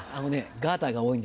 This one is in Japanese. ガーターが多いんですよ。